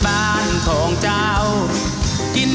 ใครเป็นคู่ควรแม่คุณ